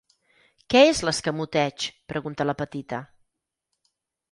Què és l'escamoteig? —pregunta la petita.